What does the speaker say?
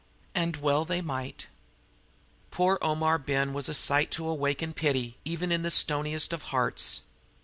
And well they might. Poor Omar Ben was a sight to awaken pity, even in the stoniest of hearts.